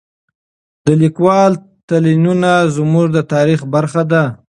د لیکوالو تلینونه زموږ د تاریخ برخه ده.